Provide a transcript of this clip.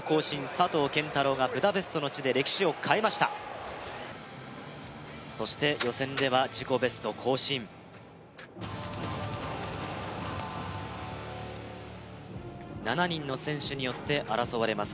佐藤拳太郎がブダペストの地で歴史を変えましたそして予選では自己ベスト更新７人の選手によって争われます